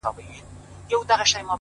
زه د شرابيانو قلندر تر ملا تړلى يم؛